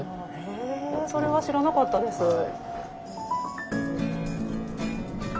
へえそれは知らなかったです。